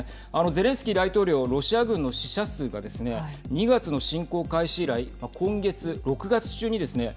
ゼレンスキー大統領はロシア軍の死者数がですね２月の侵攻開始以来今月６月中にですね